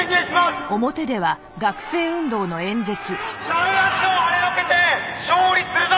弾圧をはねのけて勝利するぞ！